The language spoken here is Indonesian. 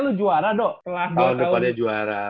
lu juara dong tahun depannya juara